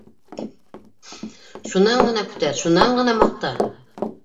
Шунан ғына күтәр, шунан ғына маҡта.